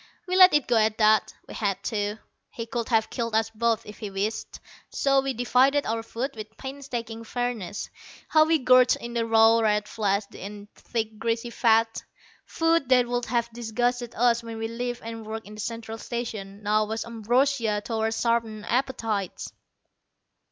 We let it go at that. We had to. He could have killed us both if he wished. So we divided our food with painstaking fairness. How we gorged on the raw red flesh and thick greasy fat! Food that would have disgusted us when we lived and worked in the Central Station, now was ambrosia to our sharpened appetites.